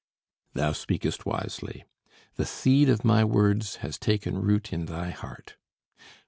"Thou speakest wisely. The seed of my words has taken root in thy heart.